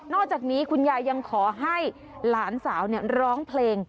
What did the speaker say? อกจากนี้คุณยายยังขอให้หลานสาวร้องเพลง